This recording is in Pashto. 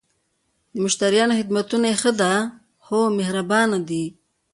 د مشتریانو خدمتونه یی ښه ده؟ هو، مهربانه دي